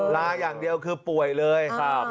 ลาอย่างเดียวคือป่วยเลย